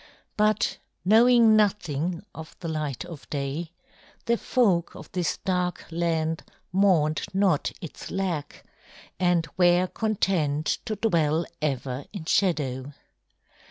But knowing nothing of the light of day, the folk of this dark land mourned not its lack and were content to dwell ever in shadow.